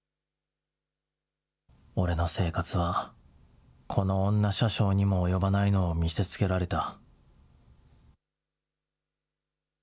俺の生活はこの女車掌にも及ばないのを見せつけられた。